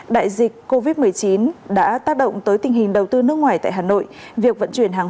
đại dịch covid một mươi chín đã tác động tới tình hình đầu tư nước ngoài tại hà nội việc vận chuyển hàng